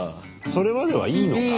それまではいいのか。